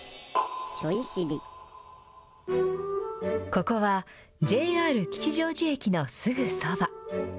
ここは、ＪＲ吉祥寺駅のすぐそば。